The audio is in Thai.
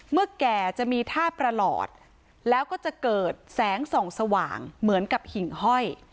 แก่จะมีท่าประหลอดแล้วก็จะเกิดแสงส่องสว่างเหมือนกับหิ่งห้อย